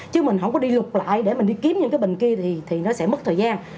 chứ mình không có đi lục lại để mình đi kiếm những cái bình kia thì nó sẽ mất thời gian